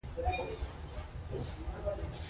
افغانستان د چرګانو په اړه مشهور تاریخی روایتونه.